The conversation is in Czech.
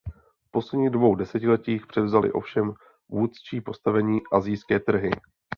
V posledních dvou desetiletích převzaly ovšem vůdčí postavení asijské trhy.